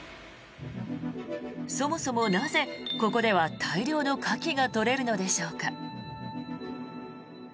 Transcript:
そもそもなぜ、ここでは大量のカキが取れるのでしょうか。